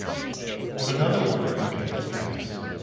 But another wonder now came to pass.